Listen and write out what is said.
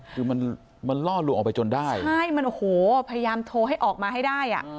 คือมันมันล่อลวงออกไปจนได้ใช่มันโอ้โหพยายามโทรให้ออกมาให้ได้อ่ะ